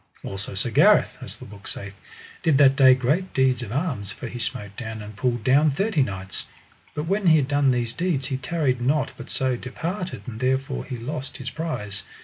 Also Sir Gareth, as the book saith, did that day great deeds of arms, for he smote down and pulled down thirty knights. But when he had done these deeds he tarried not but so departed, and therefore he lost his prize.